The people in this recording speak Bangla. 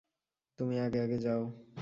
তুমি আগে আগে যাও।